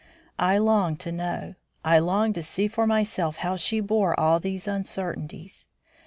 I longed to know. I longed to see for myself how she bore all these uncertainties.